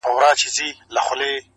کلونه پس چي درته راغلمه، ته هغه وې خو؛.